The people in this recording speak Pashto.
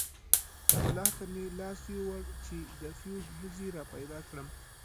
ملا ته مې لاس يووړ چې د فيوز مزي راپيدا کړم.